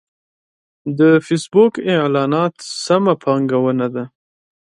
د فېسبوک اعلانات سمه پانګونه ده.